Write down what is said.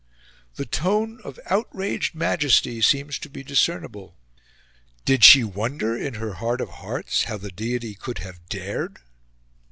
The tone of outraged Majesty seems to be discernible. Did she wonder in her heart of hearts how the Deity could have dared?